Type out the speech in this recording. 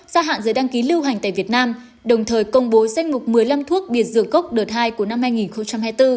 gia hạn giấy đăng ký lưu hành tại việt nam đồng thời công bố danh mục một mươi năm thuốc biệt dược gốc đợt hai của năm hai nghìn hai mươi bốn